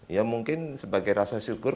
ya mungkin sebagai rasa syukur